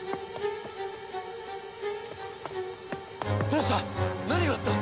どうした？